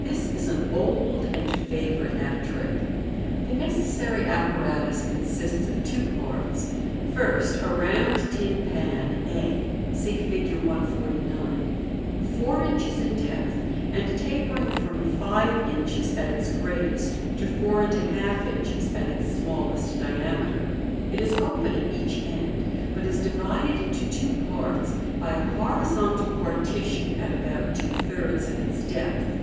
— This is an old and favourite hat trick. The necessary apparatus consists of two parts — first, a round tin pan a (see Fig. 149), four inches in depth, and tapering from five inches at its greatest to four and a half inches at its smallest diameter. It is open at each end, but is divided into two parts by a horizontal partition at about two thirds of its depth.